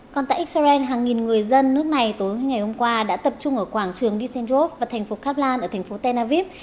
còn tại israel hàng nghìn người dân nước này tối ngày hôm qua đã tập trung ở quảng trường disenrov và thành phố kaplan ở thành phố tel aviv